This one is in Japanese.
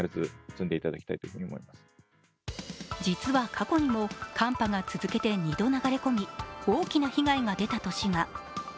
実は過去にも寒波が続けて２度流れ込み、大きな被害が出た年が。